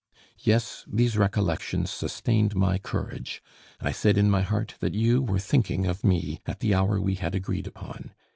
Yes, these recollections sustained my courage; I said in my heart that you were thinking of me at the hour we had agreed upon.